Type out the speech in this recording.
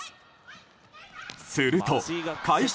すると開始